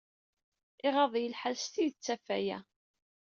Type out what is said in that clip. Iɣaḍ-iyi lḥal s tidet ɣef waya.